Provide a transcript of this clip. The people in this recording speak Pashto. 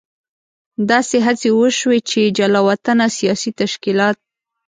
داسې هڅې وشوې چې جلا وطنه سیاسي تشکیلات.